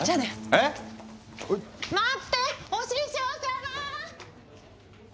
えぇっ⁉待ってお師匠様ぁ！